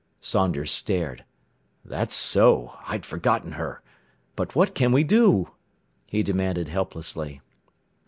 Saunders stared. "That's so. I'd forgotten her. But what can we do?" he demanded helplessly.